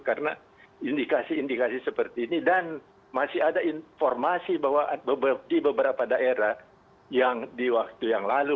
karena indikasi indikasi seperti ini dan masih ada informasi bahwa di beberapa daerah yang di waktu yang lalu